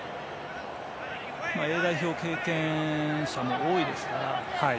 Ａ代表経験者も多いですから。